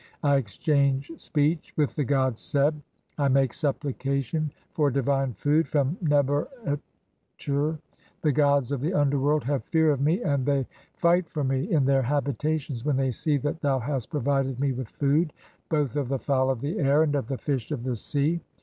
I exchange speech with the god Seb, I "make supplication for divine food from Neb er tcher ; the gods "of the underworld have fear of me, and thev (12) fight for me "in their habitations when they see that thou hast provided me "with food, both of the fowl of the air and of the fish of the "sea.